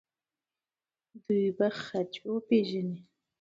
دوی به خج وپیژني.